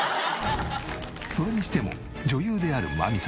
それにしても女優である真実さん